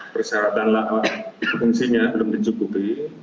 persyaratan fungsinya belum dicukupi